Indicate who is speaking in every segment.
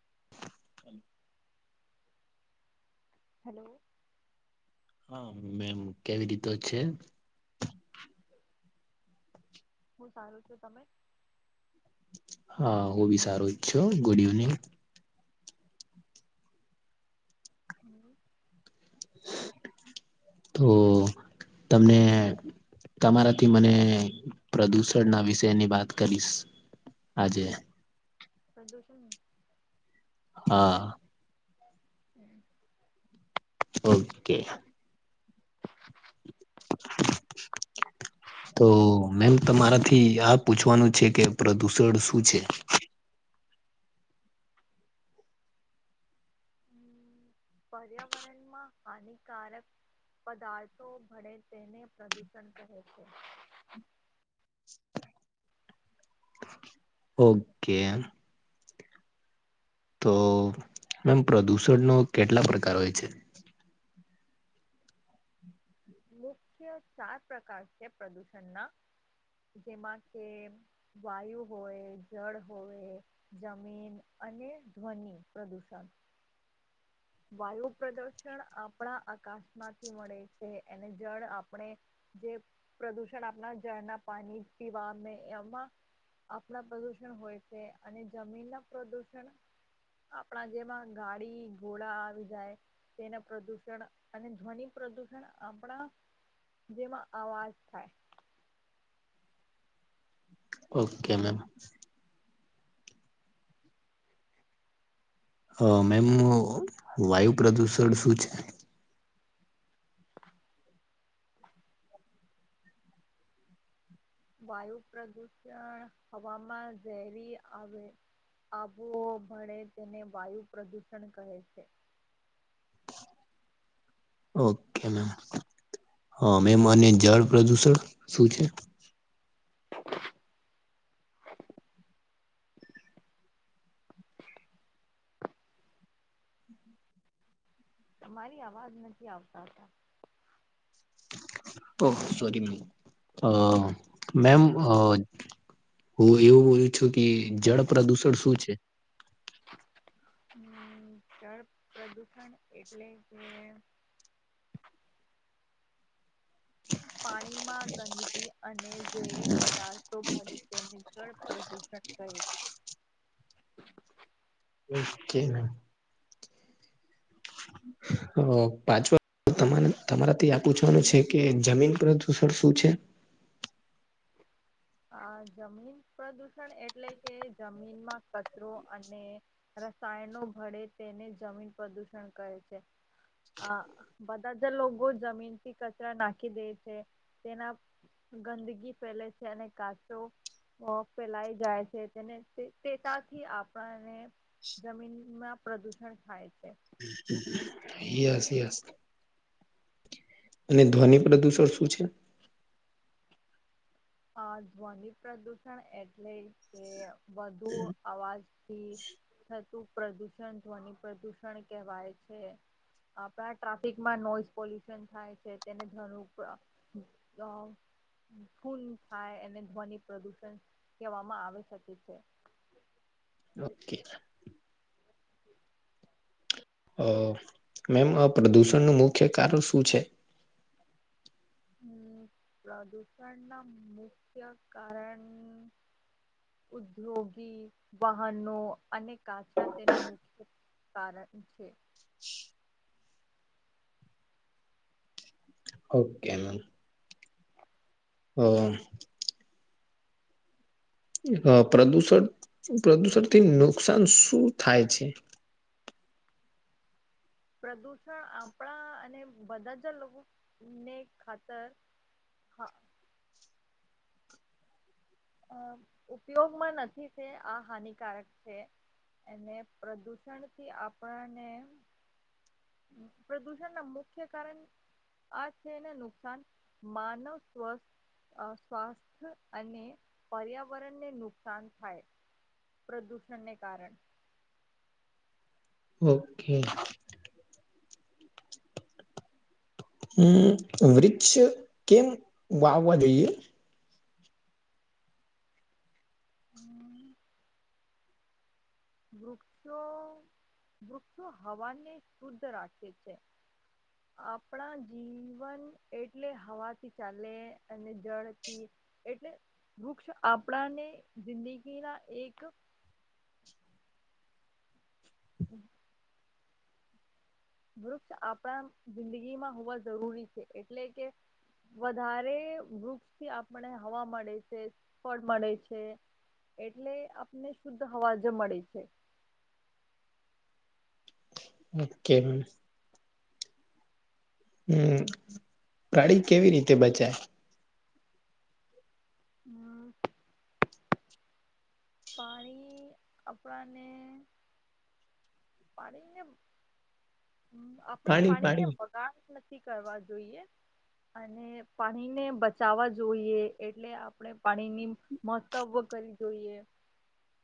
Speaker 1: હ [inaudible] [unintelligible]
Speaker 2: હલો
Speaker 1: હા મેમ કેવી રીતો છે
Speaker 2: હું સારું છું તમે
Speaker 1: હા હું બી સારું છું ગુડ ઇવનિંગ
Speaker 2: હમ [inaudible] [unintelligible]
Speaker 1: તો તમને. તમારાથી મને પ્રદુષણ ના વિષયની વાત કરીશ આજે.
Speaker 2: પ્રદૂષણ.
Speaker 1: હા.
Speaker 2: હમ [inaudible] [unintelligible]
Speaker 1: ઓકે. [inaudible] [unintelligible] તો મેમ તમારાથી આ પૂછવાનું છે કે, પ્રદુષણ શું છે?
Speaker 2: હ પર્યાવરણમાં હાનિકારક. પદાર્થો ભળે તેને પ્રદૂષણ કહે છે.
Speaker 1: ઓકે. તો મેમ પ્રદુષણનો કેટલા પ્રકાર હોય છે.
Speaker 2: મુખ્ય ચાર પ્રકાર છે પ્રદૂષણના જેમાં કે. વાયુ હોય જળ હોય. જમીન અને ધ્વનિ પ્રદુષણ. વાયુ પ્રદૂષણ આપણા આકાશમાંથી મળે છે એને જળ આપણે. જે પ્રદુષણ આપણા જળના પાણી પીવા એમાં. આપણા પ્રદુષણ હોય છે અને જમીન ના પ્રદુષણ. આપણા જેમાં ગાડી. ઘોડા આવી જાય તેના પ્રદુષણ અને ધ્વનિ પ્રદુષણ આપણા. જેમાં અવાજ થાય.
Speaker 1: Okay ma'am. અ મેમ વાયુ પ્રદુષણ શું છે.
Speaker 2: વાયુ પ્રદુષણ હવાવામાં ઝેરી આવે. આબુ ભળે તેને વાયુ પ્રદૂષણ કહે છે.
Speaker 1: ઓકે મેમ હા મેમ અને જળ પ્રદુષણ શું છે.
Speaker 2: તમારી અવાજ નથી આવતા હતા.
Speaker 1: ઓ સોરીમ. હું એવું બોલું છું કે જળ પ્રદુષણ શું છે.
Speaker 2: હમ જળ પ્રદૂષણ એટલે કે. પાણીમાં ગંદકી અને ઝેરી પદાર્થો ભે તેનું જળ પ્રદૂષણ કહેે છે.
Speaker 1: [inaudible] [unintelligible] ઓકે. હ પાચવા. તો તમારાથી આ પૂછવાનું છે કે જમીન પ્રદૂષણ શું છે.
Speaker 2: હ જમીન પ્રદૂષણ એટલે કે જમીનમાં કચરો અને, રસાયણો ભળે તેને જમીન પ્રદૂષણ કરે છે. અ બધા જે લોકો જમીનથી કચરા નાખી દે છે તેના. ગંદગી ફેલે છે અને કાચો. ફેલાય જાય છે તેને તેતાથી આપણાને. જમીનમાં પ્રદૂષણ થાય છે.
Speaker 1: Yes yes. અને ધ્વનિ પ્રદુષણ શું છે?
Speaker 2: આ ધ્વનિ પ્રદુષણ એટલે કે વધુ અવાજથી થતું પ્રદૂષણ ધ્વનિ પ્રદૂષણ કહેવાય છે. આપડા ટ્રાફિકમાં નોઈઝ પોલ્યુશન થાય છે, તેને ધનુ અ કુલ થાય એને ધ્વનિ પ્રદુષણ કહેવામાં આવી શકે છે.
Speaker 1: ઓકે. અ મેમ આ પ્રદૂષણનું મુખ્ય કારણ શું છે?
Speaker 2: હમ, પ્રદૂષણના મુખ્ય કારણ ઉદ્યોગી વાહનો, અનેક કાચા તેનું મુખ્ય કારણ છે.
Speaker 1: Okay, ma'am. હઅ [unintelligible] હ, પ્રદુષણ-પ્રદુષણથી નુકસાન શું થાય છે?
Speaker 2: પ્રદૂષણ આપણા અને બધા જ લોકો ને ખાતર હા. અ ઉપયોગમાં નથી, તે આ હાનિકારક છે. અને પ્રદૂષણથી આપણાને પ્રદૂષણના મુખ્ય કારણ આ છે ને નુકસાન માનવ સ્વસ્થ અ સ્વાસ્થ્ય અને પર્યાવરણને નુકસાન થાય. પ્રદૂષણને કારણે
Speaker 1: ઓકે. હમ, વૃક્ષ કેમ વાવવા જોઈએ?
Speaker 2: વૃક્ષો-વૃક્ષો હવાને શુદ્ધ રાખે છે.
Speaker 1: [unintelligible]
Speaker 2: આપડા જીવન એટલે હવાથી ચાલે અને જળથી. એટલે વૃક્ષ આપડાને જિંદગીના એક [unintelligible] વૃક્ષ આપણા જિંદગીમાં હોવા જરૂરી છે, એટલે કે વધારે વૃક્ષથી આપણે હવા મળે છે, ફળ મળે છે. એટલે આપને શુદ્ધ હવા જ મળે છે.
Speaker 1: Okay, ma'am. હમ, પ્રાડી કેવી રીતે બચાય?
Speaker 2: હમ. પાણી આપણાને પાડીંગ મ આપણે
Speaker 1: પાણી
Speaker 2: પાણીને
Speaker 1: પાણી
Speaker 2: બગાડ નથી કરવા જોઈએ. અને પાણીને બચાવા જોઈએ એટલે આપણે પાણીની મહત્વ કરવી જોઈએ.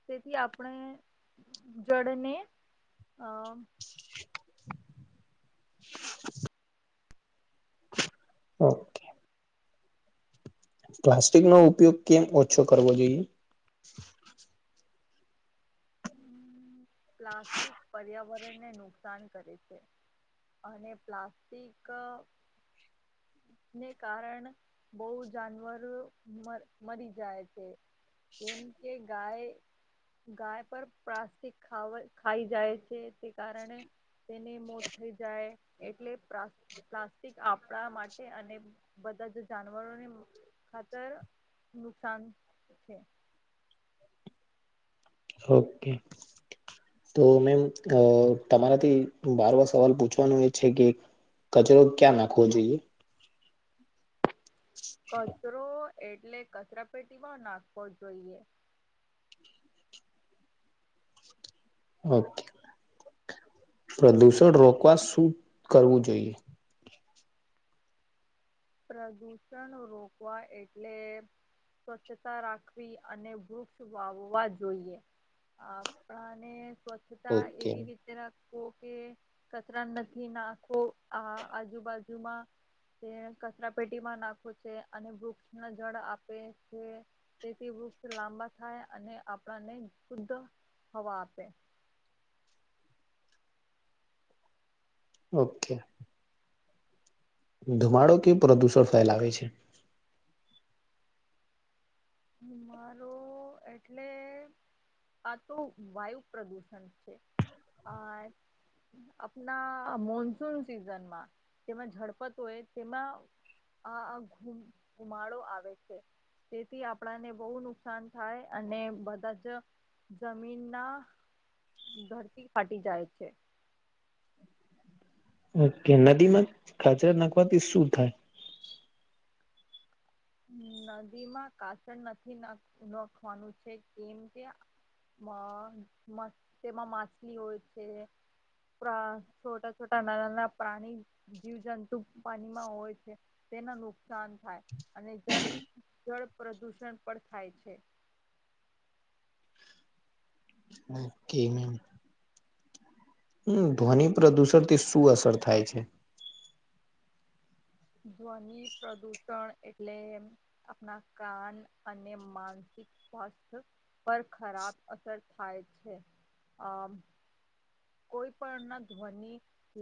Speaker 2: તેથી આપણે જળને અ
Speaker 1: [unintelligible] ઓકે. પ્લાસ્ટિકનો ઉપયોગ કેમ ઓછો કરવો જોઈએ?
Speaker 2: પ્લાસ્ટિક પર્યાવરણને નુકસાન કરે છે. અને પ્લાસ્ટિક ને કારણ બઉ જાનવર મરી જાય છે. કેમ કે ગાય ગાય પર પ્લાસ્ટિક ખાવ ખાઈ જાય છે તે કારણે તેને મોત થઈ જાય એટલે પ્રા પ્લાસ્ટિક આપડા માટે અને બધા જ જાનવરોને ખાતર નુકસાન છે.
Speaker 1: ઓકે. તો મેમ, અ તમારાથી બારમો સવાલ પૂછવાનું એ છે કે કચરો ક્યા નાખવો જોઈએ?
Speaker 2: કચરો એટલે કચરાપેટીમાં નાખવો જોઈએ.
Speaker 1: ઓકે, પ્રદુષણ રોકવા શું કરવું જોઈએ?
Speaker 2: પ્રદૂષણ રોકવા એટલે સ્વચ્છતા રાખવી અને વૃક્ષ વાવવા જોઈએ. આપણાને સ્વચ્છતા
Speaker 1: ઓકે
Speaker 2: એવી રીતે રાખ કે કચરા નથી નાખો આ આજુબાજુમાં કે કચરા પેટીમાં નાખો છે અને વૃક્ષ ને જળ આપે છે. તેથી વૃક્ષ લાંબા થાય અને આપણાને શુદ્ધ હવા આપે.
Speaker 1: ઓકે. ધુમાડો કે પ્રદૂષણ ફેલાવે છે.
Speaker 2: મારો એટલે આ તો વાયુ પ્રદુષણ છે આ આપણા મોનસૂન સિઝનમાં જેમાં ઝડપત હોય તેમાં આ ઘુ ગુમાડો આવે છે. થી આપણાને બહુ નુકસાન થાય અને બધા જ જમીનના ધરતી ફાટી જાય છે.
Speaker 1: ઓકે નદી માં ખાજર નાખવાથી શું થાય?
Speaker 2: નદીમાં કાસળ નથી નાખ નાખવાનું છે કેમ કે માં તે તેમાં માછલી હોય છે. છોટા છોટા નાના નાના પ્રાણી, જીવજંતુ પાણીમાં હોય છે. તેના નુકસાન થાય અને જન જળ પ્રદૂષણ પણ થાય છે.
Speaker 1: કે મેમ હમ્મ, ધ્વનિ પ્રદુષણ થી શું અસર થાય છે?
Speaker 2: ધ્વનિ પ્રદૂષણ એટલે આપણા કાન અને માનસિક સ્વાસ્થ પર ખરાબ અસર થાય છે. આ કોઈ પણ ના ધ્વનિ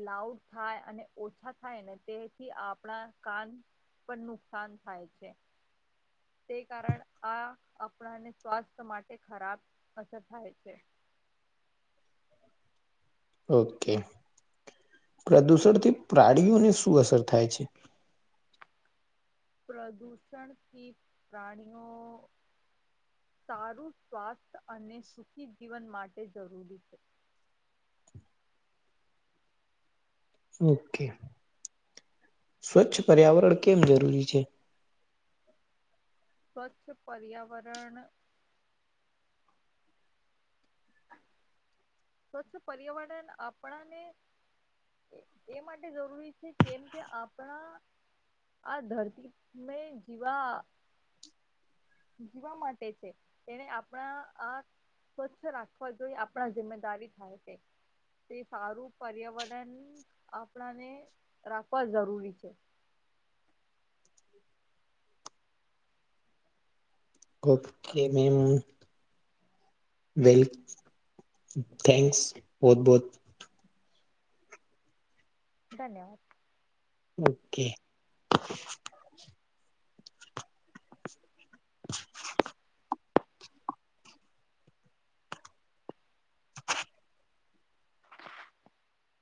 Speaker 2: લાઉડ થાય અને ઓછા થાય ને તેથી આપણા કાન પણ નુકસાન થાય છે. તે કારણ આ આપણાને સ્વાસ્થ્ય માટે ખરાબ અસર થાય છે.
Speaker 1: ઓકે પ્રદુષણથી પ્રાણીઓને શું અસર થાય છે?
Speaker 2: પ્રદૂષણ થી પ્રાણીઓ સારું સ્વાસ્થ્ય અને સુખી જીવન માટે જરૂરી છે.
Speaker 1: ઓકે સ્વચ્છ પર્યાવરણ કેમ જરૂરી છે?
Speaker 2: સ્વચ્છ પર્યાવરણ સ્વચ્છ પર્યાવરણ આપણાને એ માટે જરૂરી છે કેમ કે આપણા આ ધરતીને જીવા જીવા માટે છે તેને આપણા આ સ્વચ્છ રાખવા જોઈ આપણા જિમ્મેદારી થાય છે. તે સારું પર્યાવરણ આપણાને રાખવા જરૂરી છે.
Speaker 1: Okay ma'am. વેલ થેન્ક્સ બહોત બહુત
Speaker 2: ધન્યવાદ.
Speaker 1: ઓકે.